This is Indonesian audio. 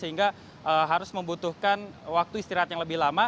sehingga harus membutuhkan waktu istirahat yang lebih lama